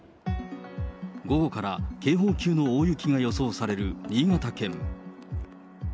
午後から警報級の大雪が予想される新潟県。